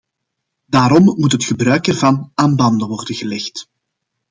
Daarom moet het gebruik ervan aan banden worden gelegd.